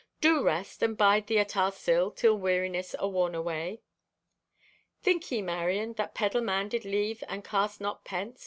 Do rest, and bide thee at our sill till weariness awarn away.' "Think ye, Marion, that peddle man did leave and cast not pence?